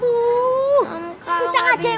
utang aja ya